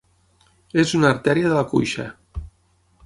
És una artèria de la cuixa.